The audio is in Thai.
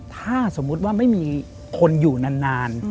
ถ้าสมมุติว่าไม่มีคนอยู่นาน